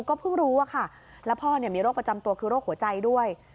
ก็เพิ่งรู้ว่าค่ะแล้วพ่อมีโรคประจำตัวคือโรคหัวใจด้วย